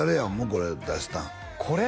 これ出したんこれ？